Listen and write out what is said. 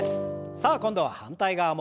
さあ今度は反対側も。